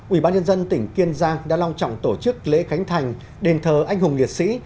ubnd tỉnh kiên giang đã long trọng tổ chức lễ khánh thành đền thờ anh hùng liệt sĩ